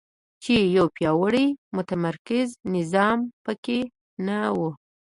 چې یو پیاوړی متمرکز نظام په کې نه وو.